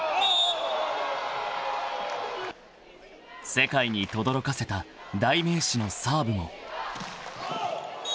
［世界にとどろかせた代名詞のサーブも］